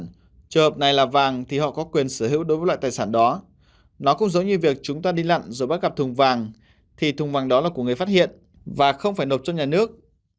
trong trường hợp này là vàng thì họ có quyền sở hữu đối với loại tài sản đó nó cũng giống như việc chúng ta đi lặn rồi bắt gặp thùng vàng thì thùng vàng đó là của người phát hiện và không phải nộp cho nhà nước